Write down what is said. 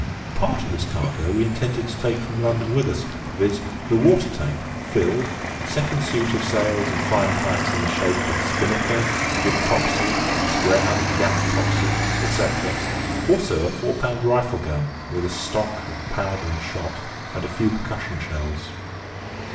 Part of this cargo we intended to take from London with us, viz., the water tank, filled, second suit of sails and flying kites in the shape of spinnaker, jib topsail, square headed gaff topsail, etcetera, also a four pound rifle gun, with a stock of powder and shot, and a few percussion shells.